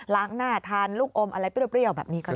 หน้าทานลูกอมอะไรเปรี้ยวแบบนี้ก็ได้